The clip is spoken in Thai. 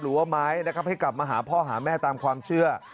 หรือว่าไม้นะครับให้กลับมาหาพ่อหาแม่ตามความเชื่อ